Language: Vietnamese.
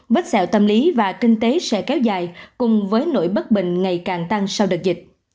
bách xẹo tâm lý và kinh tế sẽ kéo dài cùng với nỗi bất bình ngày càng tăng sau đợt dịch